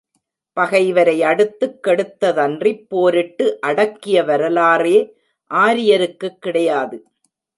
பகைவரை அடுத்துக் கெடுத்ததன்றிப் போரிட்டு அடக்கிய வரலாறே ஆரியருக்குக் கிடையாது.